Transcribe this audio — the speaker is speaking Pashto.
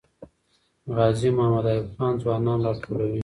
غازي محمد ایوب خان ځوانان راټولوي.